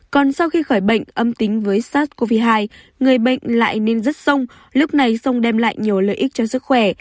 còn sau khi khỏi bệnh âm tính với sars cov hai người bệnh lại nên rất sông lúc này sông đem lại nhiều lợi ích cho sức khỏe